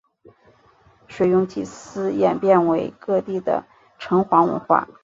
水庸祭祀演变为各地的城隍文化。